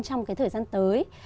trong thời gian tới